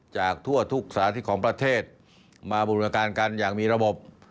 จากทั่วทุกสาธิตของประเทศมาบูรณการกันอย่างมีระบบ